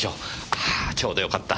あーちょうどよかった！